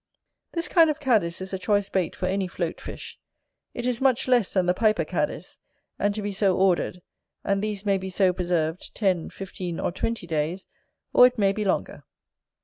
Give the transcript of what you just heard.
This kind of cadis is a choice bait for any float fish; it is much less than the piper cadis, and to be so ordered: and these may be so preserved, ten, fifteen, or twenty days, or it may be longer.